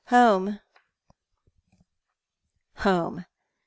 Home." Home